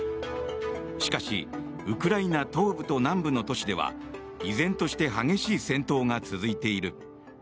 しかし、ウクライナ東部と南部の都市では依然として激しい戦闘が続いている。